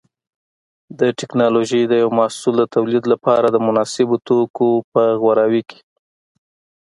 د ټېکنالوجۍ د یو محصول د تولید لپاره د مناسبو توکو په غوراوي کې.